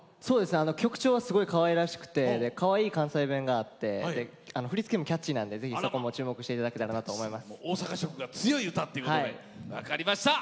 曲調はすごいかわいらしくて関西弁があって振り付けもキャッチーなのでそこも注目していただきたいです。